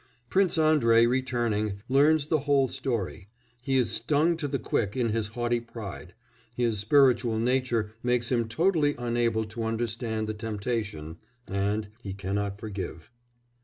Prince Andrei, returning, learns the whole story; he is stung to the quick in his haughty pride; his spiritual nature makes him totally unable to understand the temptation, and he cannot forgive.